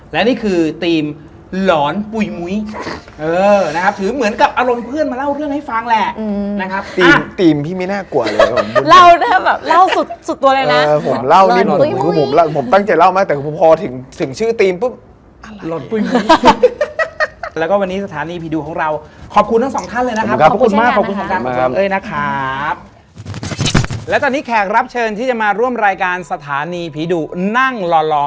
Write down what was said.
แล้วเขาก็ให้ห้องพักนักแสดง